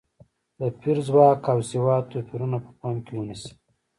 د پېر ځواک او سواد توپیرونه په پام کې ونیسي.